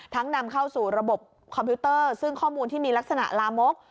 นำเข้าสู่ระบบคอมพิวเตอร์ซึ่งข้อมูลที่มีลักษณะลามก